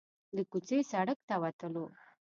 له کوڅې سړک ته وتلو.